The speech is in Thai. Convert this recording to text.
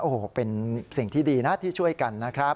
โอ้โหเป็นสิ่งที่ดีนะที่ช่วยกันนะครับ